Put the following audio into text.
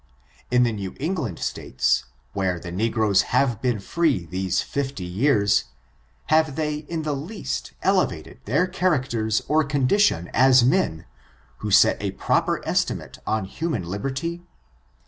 In the New England states, where the negroes have been free these fifty years, have they in the least elevated their characters or condition as men, who set a proper estimate on human liberty?